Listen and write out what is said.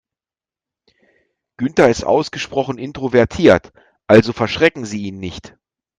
Günther ist ausgesprochen introvertiert, also verschrecken Sie ihn nicht.